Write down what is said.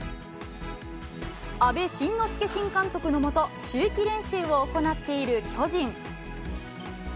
阿部慎之助新監督の下、秋季練習を行っている巨人。